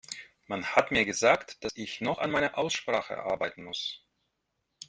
Man hat mir gesagt, dass ich noch an meiner Aussprache arbeiten muss.